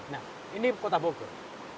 nah ini kota bogor